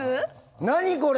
何これ！